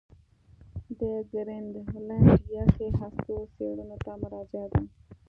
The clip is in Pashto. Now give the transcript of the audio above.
د ګرینلنډ یخي هستو څېړنو ته مراجعه ده